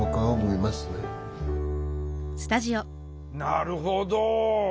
なるほど。